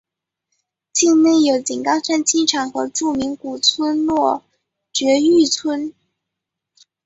境内有井冈山机场和著名古村落爵誉村。